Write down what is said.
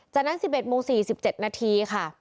จากนั้น๑๑โมง๔๗นาทีค่ะ